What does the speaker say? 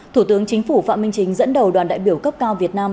thủ tướng chính phủ phạm minh chính dẫn đầu đoàn đại biểu cấp cao việt nam